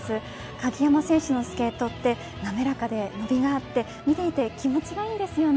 鍵山選手のスケートは滑らかで伸びがあって、見ていて気持ちがいいんですよね。